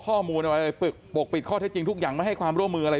ข้อมูลอะไรเลยปกปิดข้อเท็จจริงทุกอย่างไม่ให้ความร่วมมืออะไร